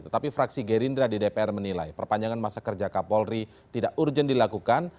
tetapi fraksi gerindra di dpr menilai perpanjangan masa kerja kapolri tidak urgent dilakukan